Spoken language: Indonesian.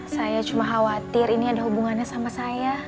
saya cuma khawatir ini ada hubungannya sama saya